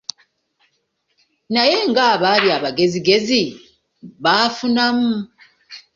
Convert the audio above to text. Naye ng’abaali abagezigezi baafunamu.